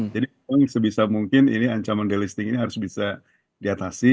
jadi mungkin sebisa mungkin ini ancaman delisting ini harus bisa diatasi